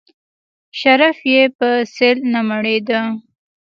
شريف يې په سيل نه مړېده.